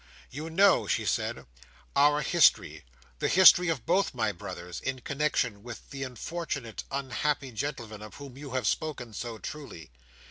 "You know," she said, "our history, the history of both my brothers, in connexion with the unfortunate, unhappy gentleman, of whom you have spoken so truly.